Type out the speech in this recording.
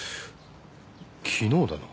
昨日だな。